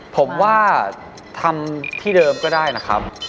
ผมว่าทำที่เดิมก็ได้นะครับ